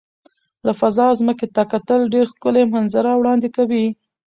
له فضا ځمکې ته کتل ډېر ښکلي منظره وړاندې کوي.